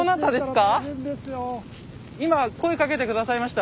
今声かけて下さいました？